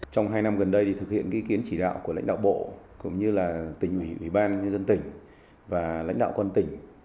trong hai năm gần đây thực hiện ý kiến chỉ đạo của lãnh đạo bộ tỉnh ủy ban dân tỉnh và lãnh đạo quân tỉnh